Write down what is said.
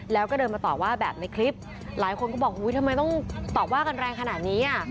แล้วก็เดินมาต่อว่าแบบในคลิปหลายคนก็บอกอุ้ยทำไมต้องตอบว่ากันแรงขนาดนี้อ่ะ